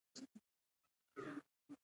په امریکا او هند کې دا کتاب لوستل کیږي.